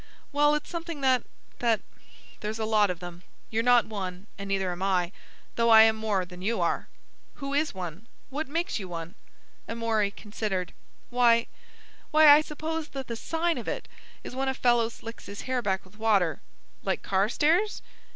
"Well, it's something that—that—there's a lot of them. You're not one, and neither am I, though I am more than you are." "Who is one? What makes you one?" Amory considered. "Why—why, I suppose that the sign of it is when a fellow slicks his hair back with water." "Like Carstairs?"